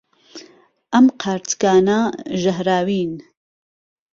ئەم قارچکانە ژەهراوین.